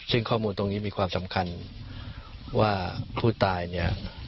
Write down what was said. ซึ่งข้อมูลตรงนี้มีความสำคัญว่าผู้ตายเนี่ย